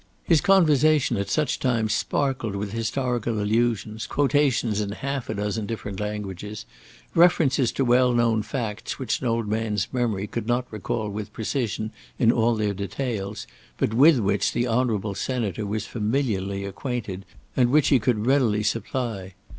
His conversation at such times sparkled with historical allusions, quotations in half a dozen different languages, references to well known facts which an old man's memory could not recall with precision in all their details, but with which the Honourable Senator was familiarly acquainted, and which he could readily supply.